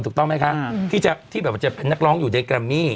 ถูกต้องไหมคะอืมที่จะที่แบบว่าจะเป็นนักร้องอยู่ในกรามมี่